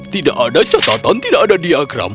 tidak ada catatan tidak ada diagram